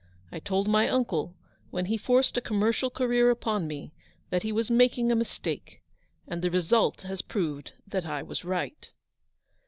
I told my uncle, when he forced a commercial career upon me, that he was making 302 Eleanor's victory. a mistake ; and the result has proved that I was right."